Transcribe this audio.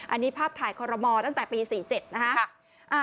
อันนี้ภาพถ่ายคอรมอตั้งแต่ปี๔๗นะคะ